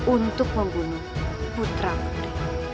untuk membunuh putra muda